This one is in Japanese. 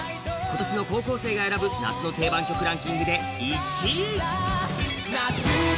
今年の高校生が選ぶ夏の定番曲で１位！